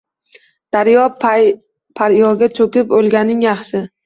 Daryo-paryoga cho‘kib o‘lganing yaxshi